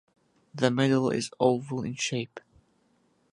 The medal is oval in shape.